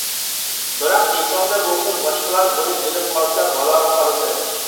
-بىراق ئېسىڭدە بولسۇن باشقىلار بۇنى بىلىپ قالسا بالاغا قالىسەن.